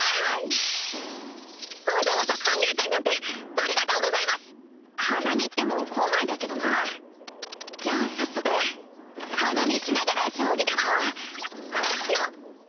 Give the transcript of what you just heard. わざわざ歓迎会なんてありがとうございます花見っても校内だけどなじゃあ早速花見しながら将棋でもなっ！